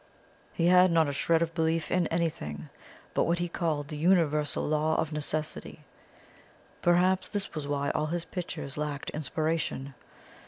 He had not a shred of belief in anything but what he called the Universal Law of Necessity; perhaps this was why all his pictures lacked inspiration.